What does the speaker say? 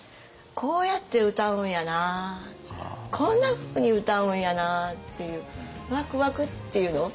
こうやって歌うんやなこんなふうに歌うんやなっていうわくわくっていうの？